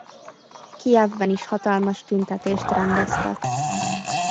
Kijevben is hatalmas tüntetést rendeztek.